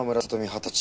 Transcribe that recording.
二十歳。